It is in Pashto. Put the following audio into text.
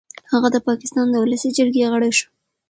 هغه د پاکستان د ولسي جرګې غړی شو.